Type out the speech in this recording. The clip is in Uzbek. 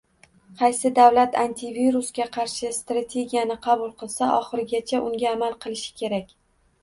Qaysi davlat antivirusga qarshi strategiyani qabul qilsa, oxirigacha unga amal qilishi kerak